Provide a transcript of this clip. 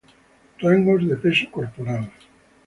rangos de peso corporal